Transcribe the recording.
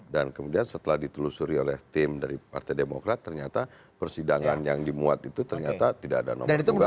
dan kemudian setelah ditelusuri oleh tim dari partai demokrat ternyata persidangan yang dimuat itu ternyata tidak ada nomor tumpah